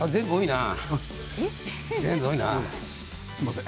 すみません。